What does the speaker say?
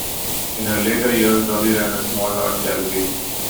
In her later years, Dolly ran a small art gallery.